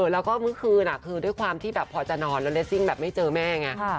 แล้วก็เมื่อคืนคือด้วยความที่แบบพอจะนอนแล้วเลสซิ่งแบบไม่เจอแม่ไง